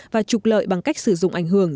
và trục lợi bằng cách sử dụng ảnh hưởng